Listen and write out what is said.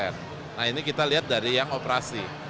nah ini kita lihat dari yang operasi